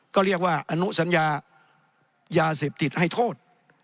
ก็เรียกว่าอนุสัญญายาเสพติดให้โทษ